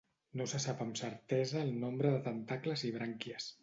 No se sap amb certesa el nombre de tentacles i brànquies.